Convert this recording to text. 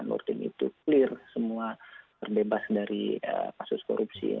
dan menurut saya itu clear semua berbebas dari kasus korupsi